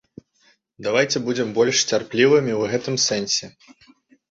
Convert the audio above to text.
Давайце будзем больш цярплівымі ў гэтым сэнсе.